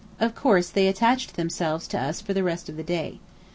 Of course they attached themselves to us for the rest of the day.